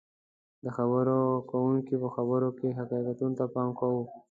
. د خبرې کوونکي په خبرو کې حقایقو ته پام کوو